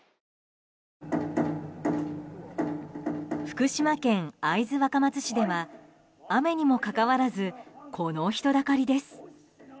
福島県会津若松市では雨にもかかわらずこの人だかりです。